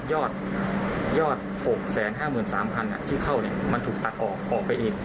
ยอด๖๕๓๐๐๐ที่เข้ามันถูกตัดออกไปอีก